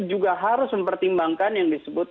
juga harus mempertimbangkan yang disebut